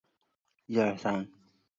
世田谷美术馆附近设有付费停车场。